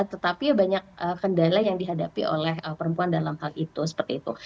tetapi ya banyak kendala yang dihadapi oleh perempuan dalam hal itu seperti itu